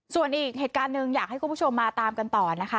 ส่วนอีกเหตุการณ์หนึ่งอยากให้คุณผู้ชมมาตามกันต่อนะคะ